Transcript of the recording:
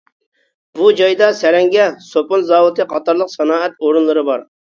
بۇ جايدا سەرەڭگە، سوپۇن زاۋۇتى قاتارلىق سانائەت ئورۇنلىرى بار.